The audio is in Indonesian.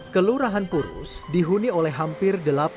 kelurahan purus dihuni oleh hampir delapan rakyat